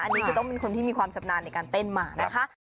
อันนี้คือต้องเป็นคนที่มีความชำนาญในการเต้นมานะคะ